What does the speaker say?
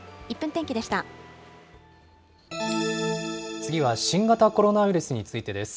次は新型コロナウイルスについてです。